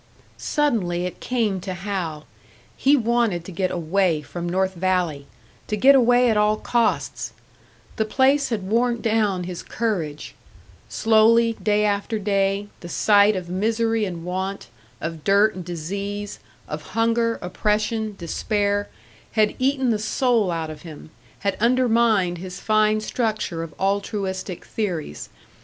Suddenly it came to Hal he wanted to get away from North Valley! To get away at all costs! The place had worn down his courage; slowly, day after day, the sight of misery and want, of dirt and disease, of hunger, oppression, despair, had eaten the soul out of him, had undermined his fine structure of altruistic theories.